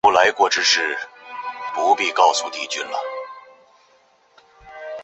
告别式后发引安厝于台北碧潭空军烈士公墓。